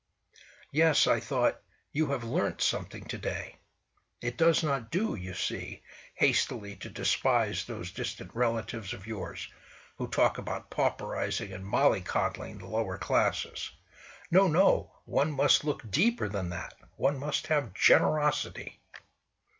"Yes," I thought, "you have learnt something to day; it does not do, you see, hastily to despise those distant relatives of yours, who talk about pauperising and molly coddling the lower classes. No, no! One must look deeper than that! One must have generosity!"